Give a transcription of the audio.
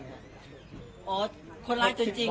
มีอะไรจะบอกคนร้ายตัวจริง